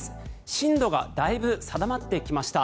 進路がだいぶ定まってきました。